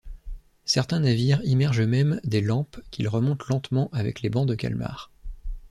Certains navires immergent même des lampes qu'ils remontent lentement avec les bancs de calmars.